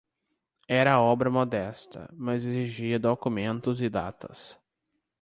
era obra modesta, mas exigia documentos e datas